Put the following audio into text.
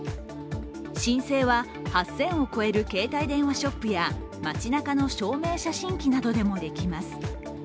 申請は８０００を超える携帯電話ショップや街なかの証明写真機などでもできます。